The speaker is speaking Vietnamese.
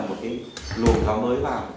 một cái lồ tháo mới vào